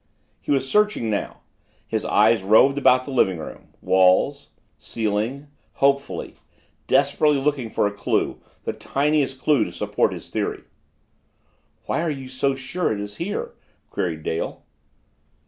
He was searching now his eyes roved about the living room walls ceiling hopefully desperately looking for a clue the tiniest clue to support his theory. "Why are you so sure it is here?" queried Dale.